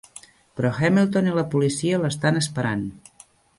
Però Hamilton i la policia l'estan esperant.